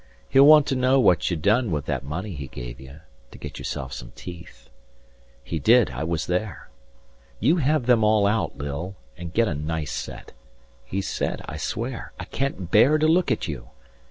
He'll want to know what you done with that money he gave you To get yourself some teeth. He did, I was there. You have them all out, Lil, and get a nice set, 145 He said, I swear, I can't bear to look at you.